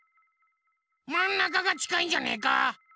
まんなかがちかいんじゃねえか？